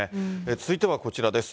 続いてはこちらです。